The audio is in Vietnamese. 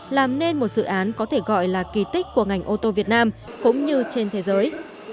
làm nên một dự án có thể gọi là kỳ tích của ngành ô tô việt nam cũng như trên thế giới